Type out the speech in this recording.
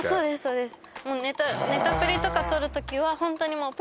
そうです